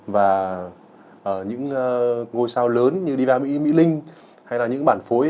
và những ngôi sao lớn như diva mỹ linh hay là những bản phối